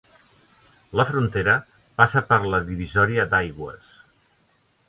La frontera passa per la divisòria d'aigües.